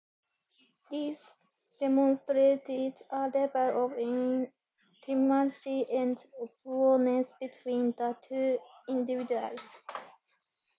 This demonstrates a level of intimacy and openness between the two individuals.